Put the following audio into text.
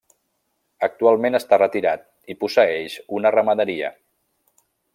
Actualment està retirat i posseeix una ramaderia.